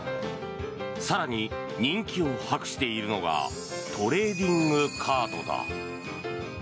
更に、人気を博しているのがトレーディングカードだ。